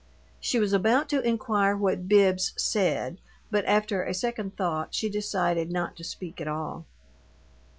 She was about to inquire what Bibbs "said," but after a second thought she decided not to speak at all.